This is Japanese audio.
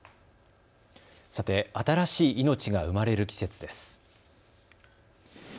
さて、新しい命が生まれる季節です。